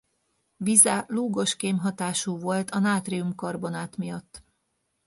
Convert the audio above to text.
Vize lúgos kémhatású volt a nátrium-karbonát miatt.